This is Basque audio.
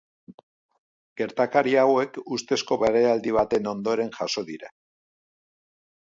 Gertakari hauek ustezko barealdi baten ondoren jazo dira.